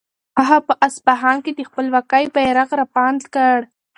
هغه په اصفهان کې د خپلواکۍ بیرغ رپاند کړ.